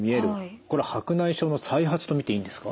これ白内障の再発と見ていいんですか？